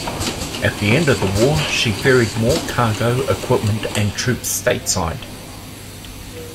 At the end of the war she ferried more cargo, equipment and troops stateside.